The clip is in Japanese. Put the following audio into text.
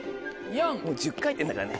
もう１０回転だからね。